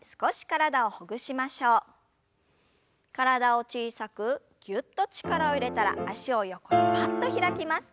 体を小さくぎゅっと力を入れたら脚を横にぱっと開きます。